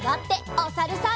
おさるさん。